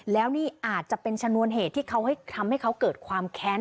แล้วนี่อาจจะเป็นชนวนเหตุที่เขาทำให้เขาเกิดความแค้น